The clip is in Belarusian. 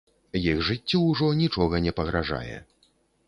Іх жыццю ўжо нічога не пагражае.